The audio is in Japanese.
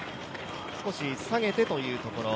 少し下げてというところ。